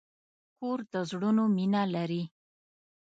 کور د زړونو مینه لري.